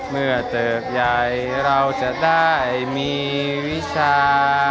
เมื่อเติบใหญ่เราจะได้มีวิชา